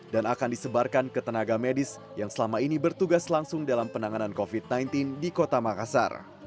dan akan disebarkan ke tenaga medis yang selama ini bertugas langsung dalam penanganan covid sembilan belas di kota makassar